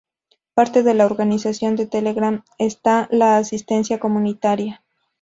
Parte de la organización de Telegram está la asistencia comunitaria.